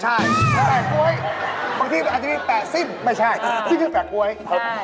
ใช่แปะก๊วยบางทีมันอาจจะมีแปะสิ้นไม่ใช่สิ้นชื่อแปะก๊วย